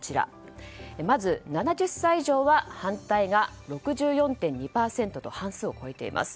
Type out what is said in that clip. まず、７０歳以上は反対が６４．２％と半数を超えています。